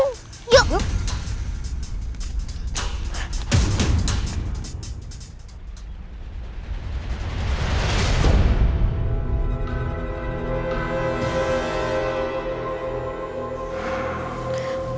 rumahnya udah tangguh